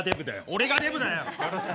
俺がデブだよ。